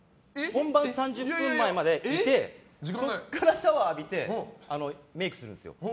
本番３０分前までいてそこからシャワーを浴びてメイクをするんですよ。